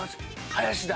林田。